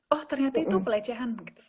oh ternyata itu pelecehan